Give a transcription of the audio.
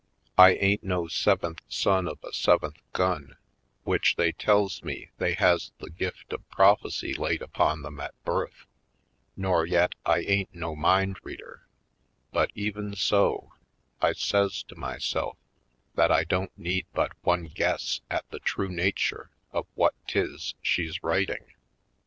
I ain't no seventh son of a seventh gun, which they tells me they has the gift of prophecy laid upon them at birth, nor yet I ain't no mind reader, but, even so, I says to myself that I don't need but one guess at the true nature of what 'tis she's writing.